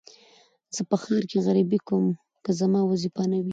زه په ښار کې غريبي کوم که زما وظيفه نه وى.